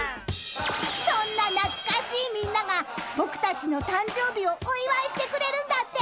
［そんな懐かしいみんなが僕たちの誕生日をお祝いしてくれるんだって］